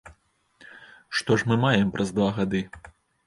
Што ж мы маем праз два гады?